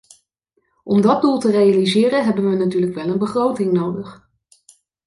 Om dat doel te realiseren hebben we natuurlijk wel een begroting nodig.